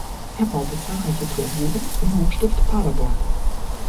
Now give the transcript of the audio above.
Er baute zahlreiche Turmuhren im Hochstift Paderborn.